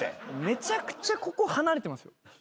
めちゃくちゃここ離れてますよ。